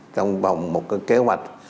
trong vòng một cái kế hoạch